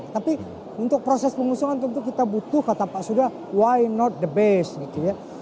tapi untuk proses pengusungan tentu kita butuh kata pak sudha why not the best